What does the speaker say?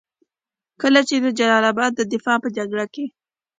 کله چې د جلال اباد د دفاع په جګړه کې.